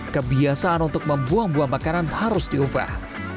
kebiasaan untuk membuang buah makanan harus diubah